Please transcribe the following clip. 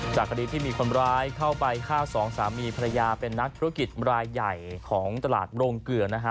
คดีที่มีคนร้ายเข้าไปฆ่าสองสามีภรรยาเป็นนักธุรกิจรายใหญ่ของตลาดโรงเกลือนะฮะ